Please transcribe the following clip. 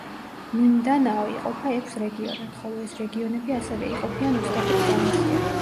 მინდანაო იყოფა ექვს რეგიონად, ხოლო ეს რეგიონები ასევე იყოფიან ოცდახუთ პროვინციად.